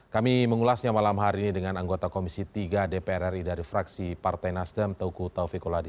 kami mengulasnya malam hari ini dengan anggota komisi tiga dpr ri dari fraksi partai nasdem togu taufikuladi